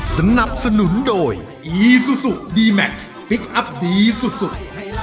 สนับสนุนโดยอีซูซูดีแม็กซ์พลิกอัพดีสุด